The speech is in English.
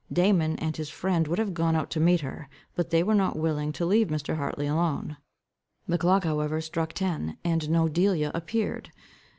Damon and his friend would have gone out to meet her, but they were not willing to leave Mr. Hartley alone. The clock however struck ten, and no Delia appeared.